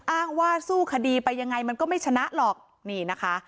อ้างว่าสู้คดีไปยังไงมันก็ไม่ชนะหรอกนี่นะคะ